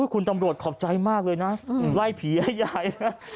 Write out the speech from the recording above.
ขอบใจมากเลยนะไล่ผีให้ยาย